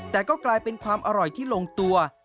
แต่ก็กลายเป็นความอร่อยที่ลงตัว